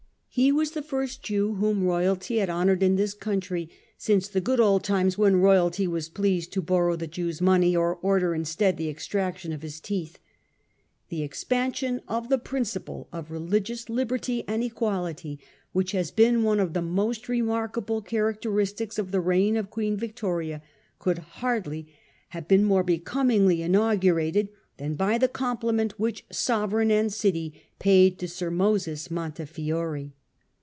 He was the first Jew whom royalty had honoured in this country since the good old times when royalty was pleased to borrow the Jew's money, or order instead the extraction of his teeth. The expansion of the principle of religious liberty and equality which has been one of the most remarkable characteristics of the reign of Queen Victoria, could hardly have been more becomingly inaugurated than by 'the compliment which sovereign and city paid to Sir Moses Montefiore.